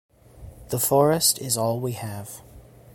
The forest is all we have.